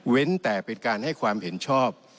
แต่เป็นการให้ความเห็นชอบ